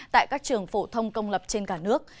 tại các trường phổ thông công lập trên cả nước